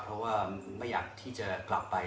เพราะว่าไม่อยากที่จะกลับไป